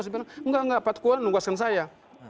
saya bilang enggak enggak pak ketua nungguaskan saya